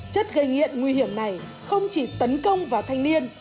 chất gây nghiện nguy hiểm này không chỉ tấn công vào thanh niên